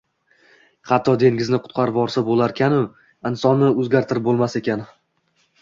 Hatto dengizni quritvorsa bo‘larkan-u, insonni o‘zgartirib bo‘lmas ekan